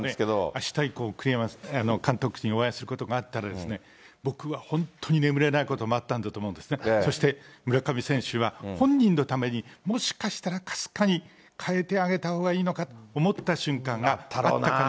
あした以降、栗山監督にお会いすることがあったらですね、僕は本当に眠れないこともあったと思うんですね、そして村上選手は、本人のために、もしかしたらかすかにかえてあげたほうがいいのかって思った瞬間があったかも。